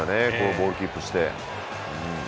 ボールキープして。